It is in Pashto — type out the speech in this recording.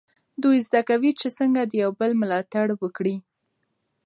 دوی زده کوي چې څنګه د یو بل ملاتړ وکړي.